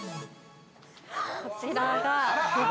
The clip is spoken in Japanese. ◆こちらが。